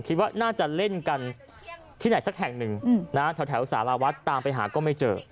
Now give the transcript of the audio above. คิดว่าน่าจะเล่นกันที่ไหนสักแห่งหนึ่งนะแถวสารวัฒน์ตามไปหาก็ไม่เจอ